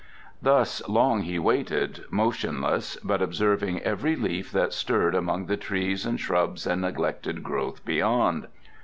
Thus long he waited, motionless, but observing every leaf that stirred among the trees and shrubs and neglected growth beyond.